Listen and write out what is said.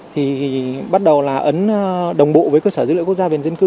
thì bắt đầu là ấn đồng bộ với cơ sở dữ liệu quốc gia về dân cư